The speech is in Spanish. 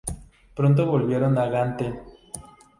Pronto volvieron a Gante.